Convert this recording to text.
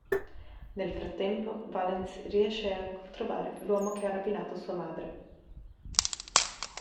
Nel frattempo, Valens riesce a trovare l'uomo che ha rapinato sua madre.